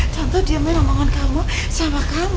tante gak mau km ketemu